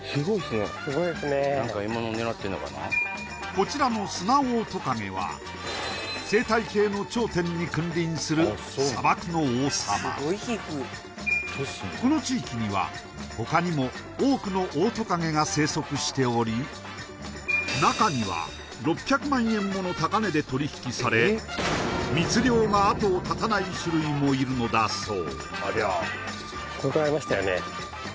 こちらのスナオオトカゲは生態系の頂点に君臨するこの地域には他にも多くのオオトカゲが生息しており中には６００万円もの高値で取り引きされ密猟が後を絶たない種類もいるのだそう